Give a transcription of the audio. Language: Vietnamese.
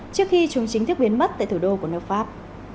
trước khi chúng chính thức biến mất tại thủ đô của nước pháp